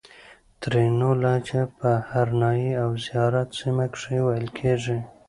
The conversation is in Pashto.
ترینو لهجه په هرنایي او زیارت سیمه کښې ویل کیږي